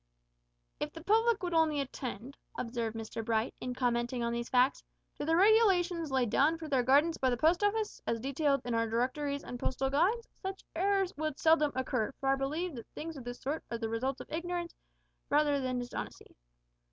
"If the public would only attend," observed Mr Bright, in commenting on these facts, "to the regulations laid down for their guidance by the Post Office as detailed in our Directories and Postal Guides such errors would seldom occur, for I believe that things of this sort are the result of ignorance rather than dishonesty."